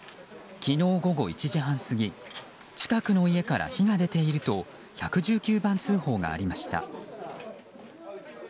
昨日午後１時半過ぎ近くの家から火が出ていると１１９番通報がありました。